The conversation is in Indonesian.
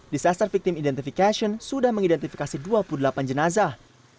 disaster victim identification sudah mengidentifikasi dua puluh delapan jenazah